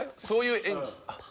そういう演技。